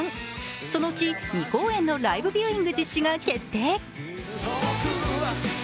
そのうち２公演のライブビューイング実施が決定。